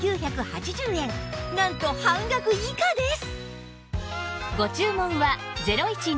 なんと半額以下です！